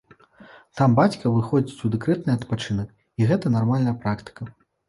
Там бацька выходзіць у дэкрэтны адпачынак, і гэта нармальная практыка.